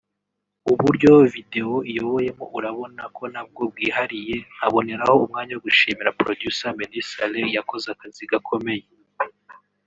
uburyo video iyoboyemo urabona ko nabwo bwihariye nkaboneraho umwanya wo gushimira Producer Meddy Saleh yakoze akazi gakomeye